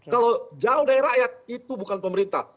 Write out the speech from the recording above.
kalau jauh dari rakyat itu bukan pemerintah